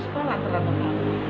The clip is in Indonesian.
apalagi yang terlalu mahal